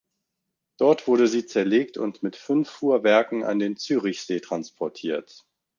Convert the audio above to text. Dort wurde sie zerlegt und mit fünf Fuhrwerken an den Zürichsee transportiert.